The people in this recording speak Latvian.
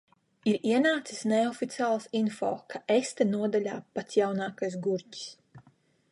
Ir ienācis neoficiāls info, ka es te nodaļā pats jaunākais gurķis.